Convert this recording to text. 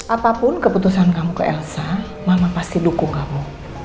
apapun keputusan kamu ke elsa mama pasti dukung kamu